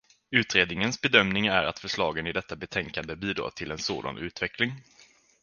Utredningens bedömning är att förslagen i detta betänkande bidrar till en sådan utveckling.